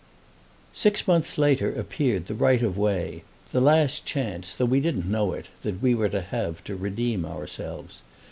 SIX months later appeared "The Right of Way," the last chance, though we didn't know it, that we were to have to redeem ourselves.